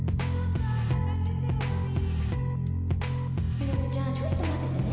実那子ちゃんちょっと待っててね